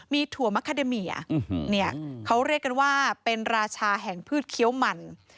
มีถั่วมะคาเดเมียเขาเรียกกันว่าเป็นราชาแห่งพืชเคี้ยวมัน